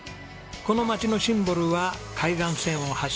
この町のシンボルは海岸線を走る江ノ電。